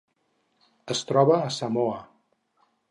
Es troba a Samoa.